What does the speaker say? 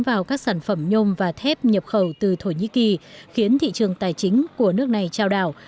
vào các sản phẩm nhôm và thép nhập khẩu từ thổ nhĩ kỳ khiến thị trường tài chính của nước này trao đảo